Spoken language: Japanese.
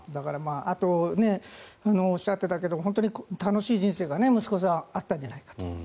あとおっしゃっていたけど本当に楽しい人生が息子さんあったんじゃないかと。